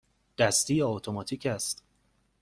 دستی یا اتوماتیک است؟